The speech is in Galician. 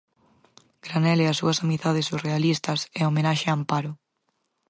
"Granell e as súas amizades surrealistas" e "Homenaxe a Amparo".